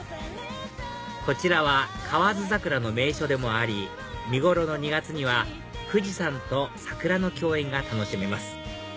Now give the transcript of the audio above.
こちらは河津桜の名所でもあり見頃の２月には富士山と桜の共演が楽しめます